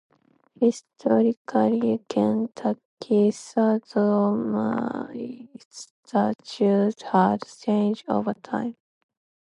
Historically, Kentucky's sodomy statutes had changed over time.